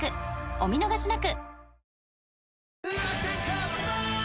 お見逃しなく！］